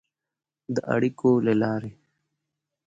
د اړیکو له لارې